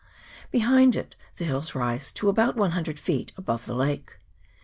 Behind it the hills rise to about 100 feet above the lake.